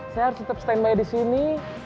saya harus tetap stand by disini